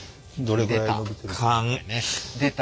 出た。